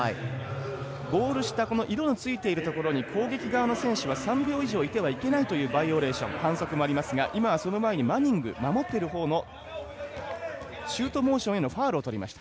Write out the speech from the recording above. ゴール下色がついているところに攻撃側の選手は３秒以上いてはいけないというバイオレーション反則もありますがその前に、マニング守ってるほうのシュートモーションへのファウルを取りました。